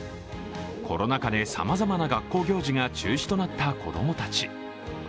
コロナ禍でさまざまな学校行事が中止となった子供たち。